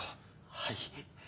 はい。